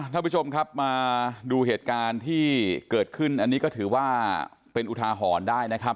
ท่านผู้ชมครับมาดูเหตุการณ์ที่เกิดขึ้นอันนี้ก็ถือว่าเป็นอุทาหรณ์ได้นะครับ